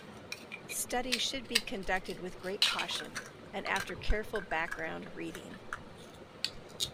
Studies should be conducted with great caution, and after careful background reading.